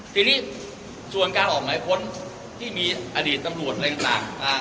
ทีนี้ส่วนการออกหมายค้นที่มีอดีตตำรวจอะไรต่าง